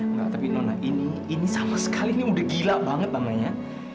nggak tapi nona ini sama sekali ini udah gila banget nona